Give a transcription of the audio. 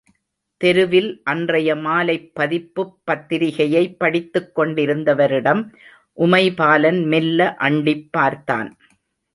தெருவில் அன்றைய மாலைப் பதிப்புப் பத்திரிகையைப் படித்துக் கொண்டிருந்தவரிடம் உமைபாலன் மெல்ல அண்டிப் பார்த்தான்.